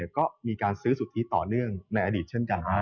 ก็มีการซื้อสุทธิต่อเนื่องในอดีตเช่นกัน